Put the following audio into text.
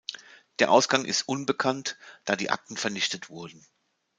Der Ausgang ist unbekannt, da die Akten vernichtet wurden.